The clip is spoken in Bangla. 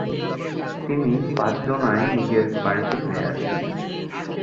তিনি পাঁচদোনায় নিজের বাড়িতে ফিরে আসেন।